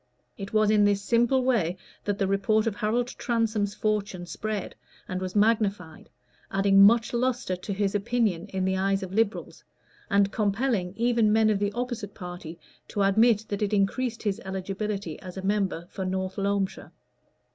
It was in this simple way that the report of Harold Transome's fortune spread and was magnified, adding much lustre to his opinion in the eyes of Liberals, and compelling even men of the opposite party to admit that it increased his eligibility as a member for North Loamshire.